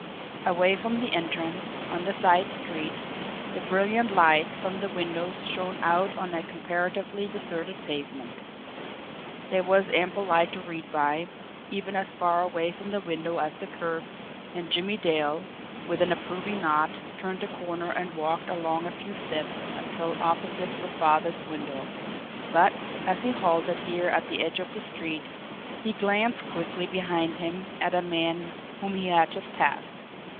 Away from the entrance, on the side street, the brilliant lights from the windows shone out on a comparatively deserted pavement. There was ample light to read by, even as far away from the window as the curb, and Jimmie Dale, with an approving nod, turned the corner and walked along a few steps until opposite the farthest window but, as he halted here at the edge of the street, he glanced quickly behind him at a man whom he had just passed.